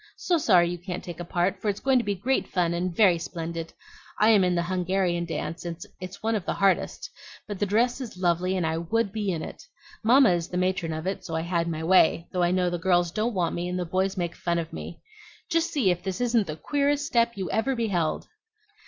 So sorry you can't take a part, for it's going to be great fun and very splendid. I am in the Hungarian dance, and it's one of the hardest; but the dress is lovely, and I would be in it. Mamma is the matron of it; so I had my way, though I know the girls don't want me, and the boys make fun of me. Just see if this isn't the queerest step you ever beheld!"